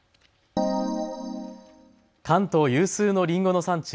関東有数のりんごの産地